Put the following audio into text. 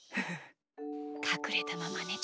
かくれたままねちゃったのか。